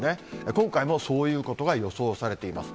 今回もそういうことが予想されています。